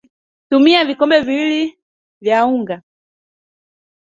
Tumia vikombe viwili mbili vya unga